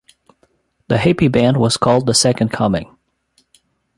The hippy band was called the "Second Coming".